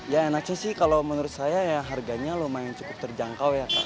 ya enak sih sih kalau menurut saya ya harganya lumayan cukup terjangkau ya kakak